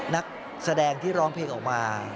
นักแสดงที่ร้องเพลงออกมา